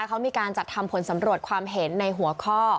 เขามีการจัดทำผลสำรวจความเห็นในหัวข้อ